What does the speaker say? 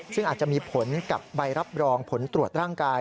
ซึ่งอาจจะมีผลกับใบรับรองผลตรวจร่างกาย